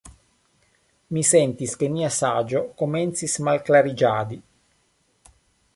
Mi sentis, ke mia saĝo komencis malklariĝadi.